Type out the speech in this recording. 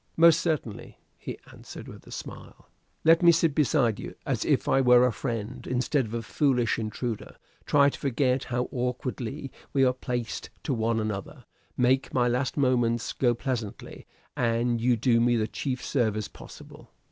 "Most certainly," he answered with a smile. "Let me sit beside you as if I were a friend, instead of a foolish intruder; try to forget how awkwardly we are placed to one another; make my last moments go pleasantly; and you do me the chief service possible."